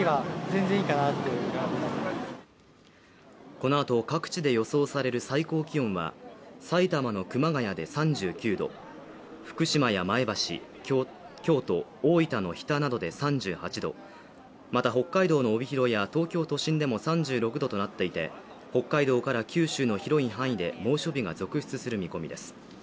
このあと各地で予想される最高気温は埼玉の熊谷で３９度福島や前橋京都、大分の日田などで３８度また北海道の帯広や東京都心でも３６度となっていて北海道から九州の広い範囲で猛暑日が続出する見込みです